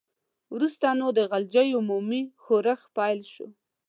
وروسته نو د غلجیو عمومي ښورښ پیل شو.